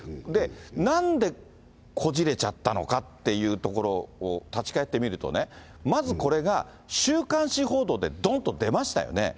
なんでこじれちゃったのかというところを立ち返ってみるとね、まずこれが、週刊誌報道でどんと出ましたよね。